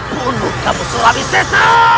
aku bunuh kamu surawi sesa